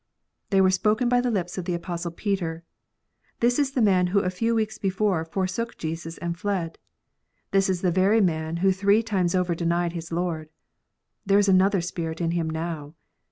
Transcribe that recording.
They were spoken by the lips of the Apostle Peter. This is the man who a few weeks before forsook Jesus and fled : this is the very man who three times over denied his Lord. There is another spirit in him now